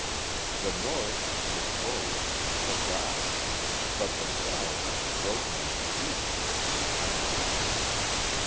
The North, victorious, forgot; but the South, broken and defeated, remembered.